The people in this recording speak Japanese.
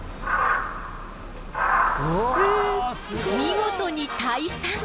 見事に退散！